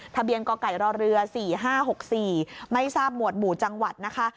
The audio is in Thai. ทะเบียนก๋อกัยรอเรือสี่ห้าหกสี่ไม่ทราบมวดบูรณ์จังหวัดนะคะ